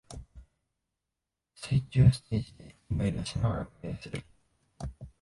水中ステージでイライラしながらプレイする